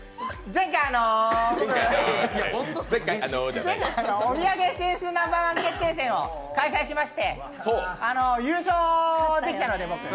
前回、僕、「お土産センスＮｏ．１決定戦」を開催しまして、優勝できたので、僕。